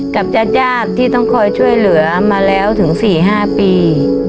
กับญาติที่ต้องคอยช่วยเหลือมาแล้วถึง๔๕ปี